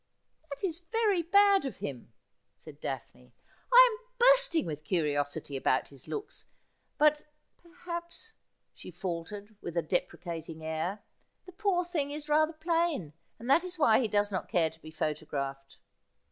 ' That is very bad of him,' said Daphne. ' I am bursting with curiosity about his looks. But — perhaps,' she faltered, with a deprecating air, ' the poor thing is rather plain, and that is why he does not care to be photographed.'